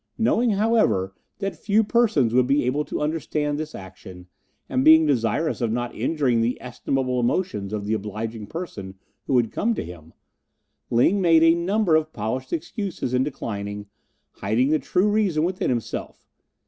Knowing, however, that few persons would be able to understand this action, and being desirous of not injuring the estimable emotions of the obliging person who had come to him, Ling made a number of polished excuses in declining, hiding the true reason within himself.